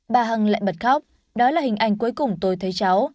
bà hằng lại bật khóc đó là hình ảnh cuối cùng tôi thấy cháu